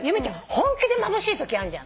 本気でまぶしいときあんじゃん。